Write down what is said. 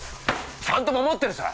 ちゃんと守ってるさ！